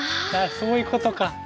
そういうことか。